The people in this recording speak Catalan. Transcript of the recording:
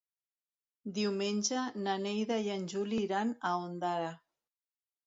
Diumenge na Neida i en Juli iran a Ondara.